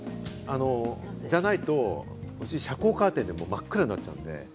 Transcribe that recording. じゃないと、うち遮光カーテンで真っ暗になっちゃうので。